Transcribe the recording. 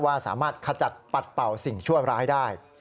ว่าสามารถขจัดปัดเป่าสิ่งชั่วร้ายได้